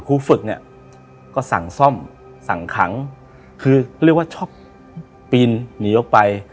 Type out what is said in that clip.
ครูฝึกเนี่ยก็สั่งซ่อมสั่งขังคือเรียกว่าชอบปีนหนีออกไป